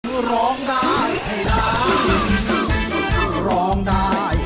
เพื่อร้องได้ให้ร้อง